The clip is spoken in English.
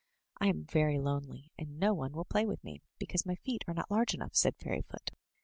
"I am very lonely, and no one will play with me, because my feet are not large enough," said Fairyfoot.